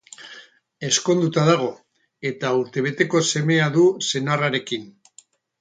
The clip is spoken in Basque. Ezkonduta dago, eta urtebeteko semea du senarrarekin.